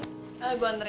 udah aku bilang dulu re